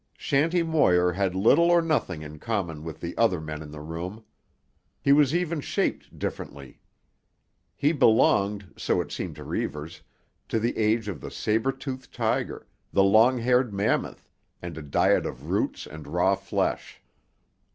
Shanty Moir had little or nothing in common with the other men in the room. He was even shaped differently. He belonged, so it seemed to Reivers, to the age of the saber tooth tiger, the long haired mammoth, and a diet of roots and raw flesh.